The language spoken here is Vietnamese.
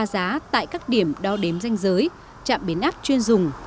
ba giá tại các điểm đo đếm danh giới trạm bến áp chuyên dùng